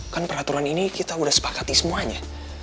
kan peraturan ini kita udah sepakat di semuanya